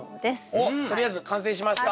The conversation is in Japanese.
おっとりあえず完成しました！